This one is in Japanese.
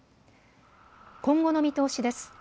今後の見通しです。